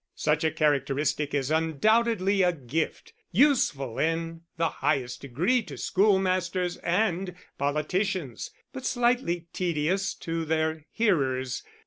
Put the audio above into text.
Such a characteristic is undoubtedly a gift, useful in the highest degree to schoolmasters and politicians, but slightly tedious to their hearers.